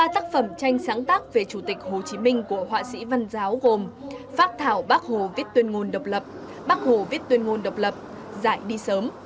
ba tác phẩm tranh sáng tác về chủ tịch hồ chí minh của họa sĩ văn giáo gồm phát thảo bác hồ viết tuyên ngôn độc lập bác hồ viết tuyên ngôn độc lập giải đi sớm